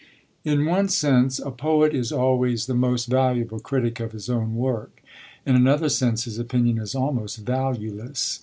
In one sense a poet is always the most valuable critic of his own work; in another sense his opinion is almost valueless.